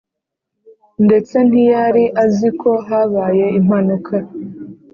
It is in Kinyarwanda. ndetse ntiyari azi ko habaye impanuka